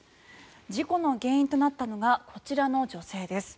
事故の原因となったのがこちらの女性です。